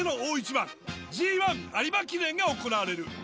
番ＧⅠ有馬記念が行われる。